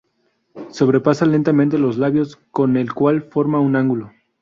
Sobrepasa levemente los labios, con el cual forma un ángulo.